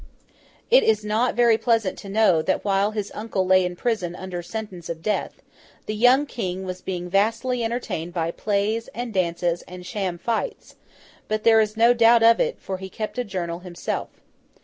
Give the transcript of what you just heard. It is not very pleasant to know that while his uncle lay in prison under sentence of death, the young King was being vastly entertained by plays, and dances, and sham fights: but there is no doubt of it, for he kept a journal himself.